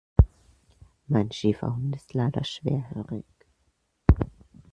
Mein Schäferhund ist leider schwerhörig.